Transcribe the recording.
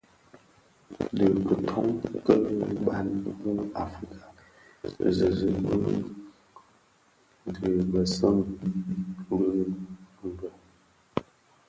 Dhi kitoň ki bhan mu u Africa Bizizig bii dhi binèsun bii bi bès.